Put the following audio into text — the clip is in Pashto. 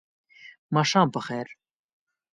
ماښام په خیر !